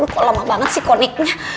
kok lama banget sih koneknya